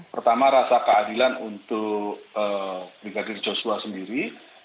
pertama rasa keadilan untuk brigadir joshua sendiri